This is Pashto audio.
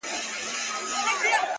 • د دښمن پر زړه وهلی بیرغ غواړم ,